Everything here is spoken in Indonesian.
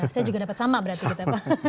saya juga dapat sama berarti gitu